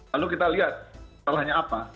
lalu kita lihat salahnya apa